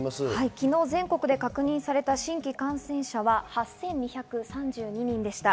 昨日、全国で確認された新規感染者は８２３２人でした。